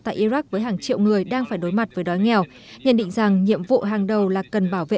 tại iraq với hàng triệu người đang phải đối mặt với đói nghèo nhận định rằng nhiệm vụ hàng đầu là cần bảo vệ